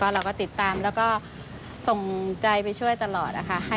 เราก็ติดตามแล้วก็ส่งใจไปช่วยตลอดนะคะ